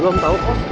belum tau kos